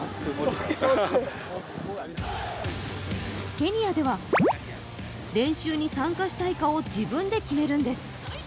ケニアでは練習に参加したいかを自分で決めるんです。